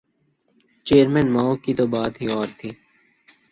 Chairman Mao کی تو بات ہی اور تھی۔